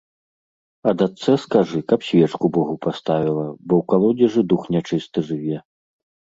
А дачцэ скажы, каб свечку богу паставіла, бо ў калодзежы дух нячысты жыве.